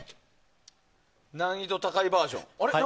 難易度高いバージョン。